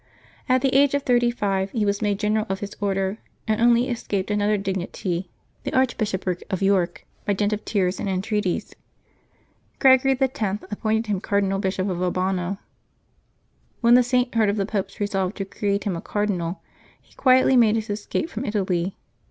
At the age of thirty five he was made general of his Order ; and only escaped another dig nity, the Archbishopric of York, by dint of tears and en treaties. Gregory X. appointed him Cardinal Bishop of Albano. When the Saint heard of the Pope's resolve to create him a Cardinal, he quietly made his escape from Italy.